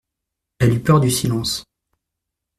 Elle eut peur du silence.